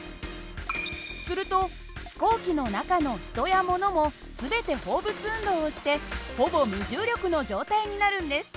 すると飛行機の中の人やものも全て放物運動をしてほぼ無重力の状態になるんです。